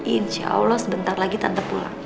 insya allah sebentar lagi tante pulang